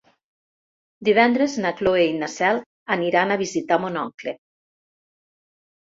Divendres na Cloè i na Cel aniran a visitar mon oncle.